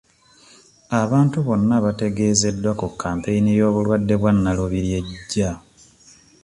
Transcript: Abantu bonna bategeezeddwa ku Kampeyini y'obulwadde bwa nalubiri ejja.